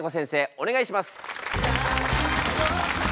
お願いします。